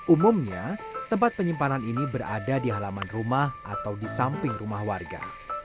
umumnya tempat penyimpanan ini berada di halaman rumah atau di samping rumah warga